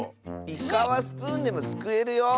イカはスプーンでもすくえるよ。